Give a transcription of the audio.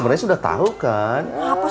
pengen sekali sekala ditwini c